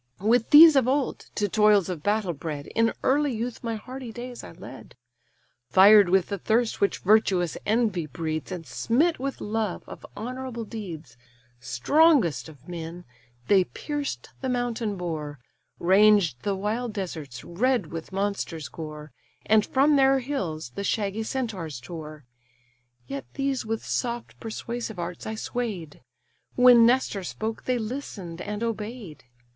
With these of old, to toils of battle bred, In early youth my hardy days I led; Fired with the thirst which virtuous envy breeds, And smit with love of honourable deeds, Strongest of men, they pierced the mountain boar, Ranged the wild deserts red with monsters' gore, And from their hills the shaggy Centaurs tore: Yet these with soft persuasive arts I sway'd; When Nestor spoke, they listen'd and obey'd.